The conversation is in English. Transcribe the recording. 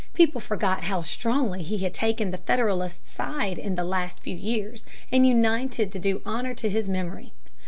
People forgot how strongly he had taken the Federalist side in the last few years, and united to do honor to his memory.